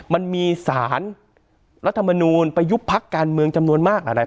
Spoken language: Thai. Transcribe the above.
มันมีสารรัฐมนูลไปยุบพักการเมืองจำนวนมากหลาย